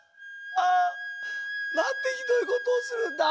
あなんてひどいことをするんだ。